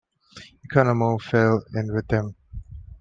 Economou fell in with them.